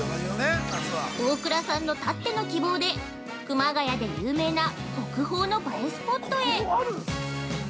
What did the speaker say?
◆大倉さんのたっての希望で熊谷で有名な国宝の映えスポットへ！